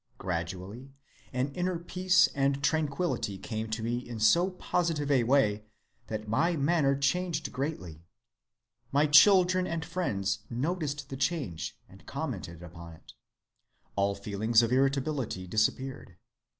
Gradually an inner peace and tranquillity came to me in so positive a way that my manner changed greatly. My children and friends noticed the change and commented upon it. All feelings of irritability disappeared.